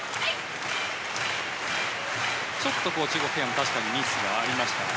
ちょっと中国ペアも確かにミスがありました。